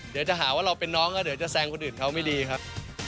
เดี๋ยวจะหาว่าเราเป็นน้องก็เดี๋ยวจะแซงคนอื่นเขาไม่ดีครับ